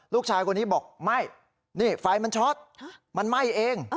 ลูกชายคนนี้บอกไม่นี่ไฟมันช็อตมันไหม้เอง